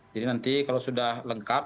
jadi nanti kalau sudah lengkap